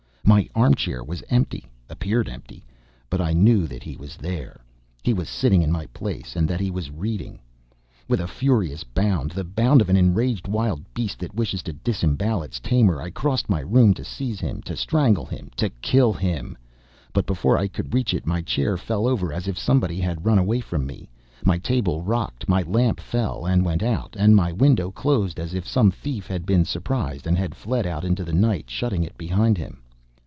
My armchair was empty, appeared empty, but I knew that he was there, he, and sitting in my place, and that he was reading. With a furious bound, the bound of an enraged wild beast that wishes to disembowel its tamer, I crossed my room to seize him, to strangle him, to kill him!... But before I could reach it, my chair fell over as if somebody had run away from me ... my table rocked, my lamp fell and went out, and my window closed as if some thief had been surprised and had fled out into the night, shutting it behind him.